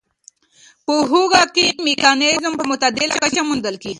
په هوږه کې مګنيزيم په معتدله کچه موندل کېږي.